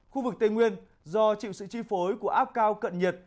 khu vực tây nguyên do chịu sự chi phối của áp cao cận nhiệt